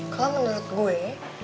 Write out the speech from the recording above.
kalau menurut gue